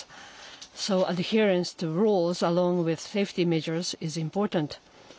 そうですよね。